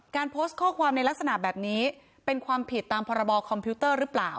โพสต์ข้อความในลักษณะแบบนี้เป็นความผิดตามพรบคอมพิวเตอร์หรือเปล่า